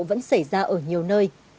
vẫn xảy ra ở nhiều nơi